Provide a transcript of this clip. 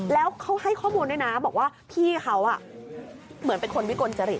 แล้วเขาให้ข้อมูลด้วยนะบอกว่าพี่เขาเหมือนเป็นคนวิกลจริต